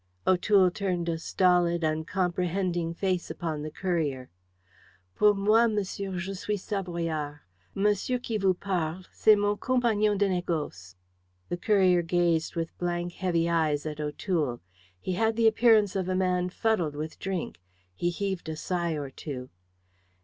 O'Toole turned a stolid, uncomprehending face upon the courier. "Pour moi, monsieur, je suis Savoyard. Monsieur qui vous parle, c'est mon compagnon de négoce." The courier gazed with blank, heavy eyes at O'Toole. He had the appearance of a man fuddled with drink. He heaved a sigh or two.